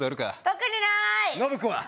特にない信子は？